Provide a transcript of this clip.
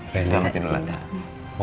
selamat tidur ada